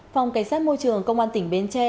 phòng cảnh sát môi trường công an tỉnh bến tre